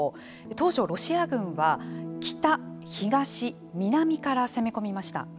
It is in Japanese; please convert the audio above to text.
当初ロシア軍は北、東、南から攻め込みました。